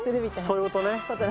そういうことね。